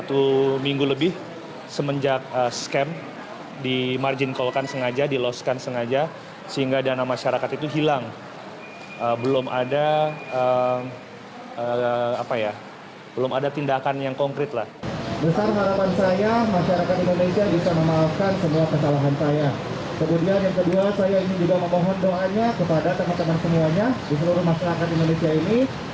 kemudian yang kedua saya ingin juga memohon doanya kepada teman teman semuanya di seluruh masyarakat indonesia ini agar sanksi terhadap saya bisa diringankan